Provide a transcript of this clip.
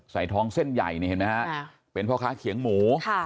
ท้องเส้นใหญ่นี่เห็นไหมฮะเป็นพ่อค้าเขียงหมู